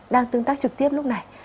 đang tương tác trực tiếp lúc này